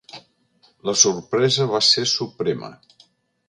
La sorpresa va ser suprema.